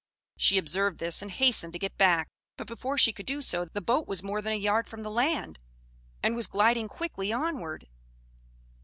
She observed this, and hastened to get back; but before she could do so, the boat was more than a yard from the land, and was gliding quickly onward.